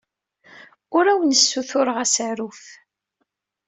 Ur awen-ssutureɣ asaruf.